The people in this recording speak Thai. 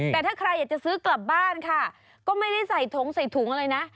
แต่ถ้าใครอยากจะซื้อกลับบ้านค่ะก็ไม่ได้ใส่ถุงใส่ถุงอะไรนะ